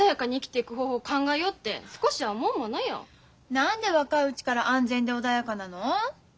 何で若いうちから安全で穏やかなの？